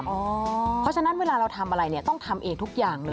เพราะฉะนั้นเวลาเราทำอะไรเนี่ยต้องทำเองทุกอย่างเลย